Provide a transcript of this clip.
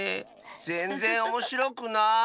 ぜんぜんおもしろくない。